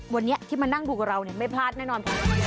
วันนี้ที่มานั่งดูกับเราไม่พลาดแน่นอน